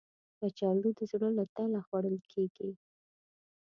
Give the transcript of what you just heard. کچالو د زړه له تله خوړل کېږي